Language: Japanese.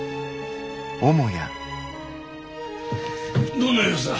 どんな様子だ？